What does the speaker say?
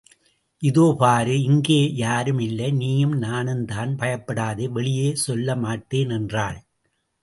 இதோ பாரு இங்கே யாரும் இல்லை நீயும் நானும் தான் பயப்படாதே வெளியே சொல்ல மாட்டேன்! என்றாள்.